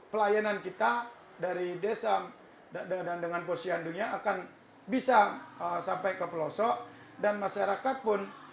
pelayanan kita dari desa dan dengan posyandunya akan bisa sampai ke pelosok dan masyarakat pun